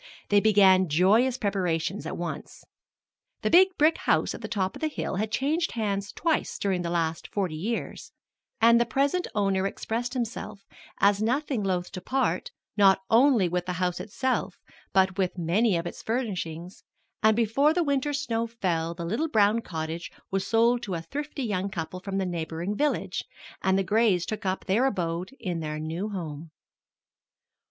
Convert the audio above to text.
They began joyous preparations at once. The big brick house at the top of the hill had changed hands twice during the last forty years, and the present owner expressed himself as nothing loath to part, not only with the house itself, but with many of its furnishings; and before the winter snow fell the little brown cottage was sold to a thrifty young couple from the neighboring village, and the Grays took up their abode in their new home.